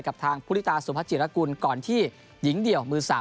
กับทางภูริตาสุภาจิรกุลก่อนที่หญิงเดี่ยวมือ๓